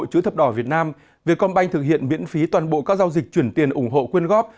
hội chủ thập đỏ việt nam việt công banh thực hiện miễn phí toàn bộ các giao dịch chuyển tiền ủng hộ quyên góp